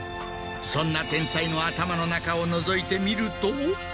そんな天才の頭の中をのぞいてみると。